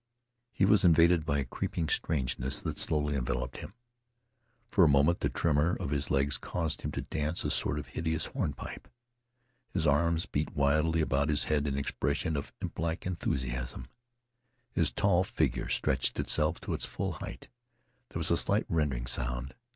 He was invaded by a creeping strangeness that slowly enveloped him. For a moment the tremor of his legs caused him to dance a sort of hideous hornpipe. His arms beat wildly about his head in expression of implike enthusiasm. His tall figure stretched itself to its full height. There was a slight rending sound.